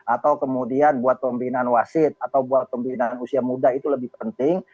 atau kemudian buat pembinaan wasit atau buat pembinaan usia muda itu lebih penting